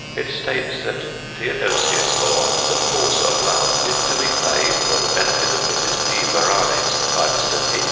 It states that "Theodosius; or, the Force of Love," is to be played, for the benefit of Mrs. P. Varanes by Mr. P.